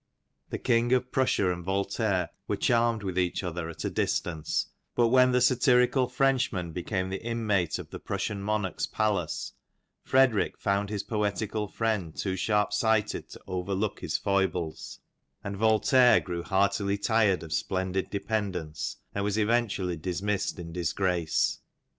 The king of Prussia and Voltaire were charmed with each other at a dis tance ; but when the satirical Frenchman became the inmate of the Prussian monarch's palace, Frederic found his poetical friend too sharp sighted to overlook his foibles, and Voltaire XV grew heartily tired of splendid dependence, and was eventually dismissed in disgrace.